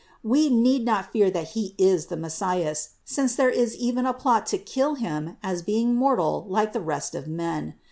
We need not fear that He is the Messias, since there is even a plot to kill Him as being mortal like the rest of men.